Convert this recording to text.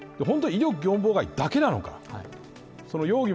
本当は威力業務妨害だけなのか。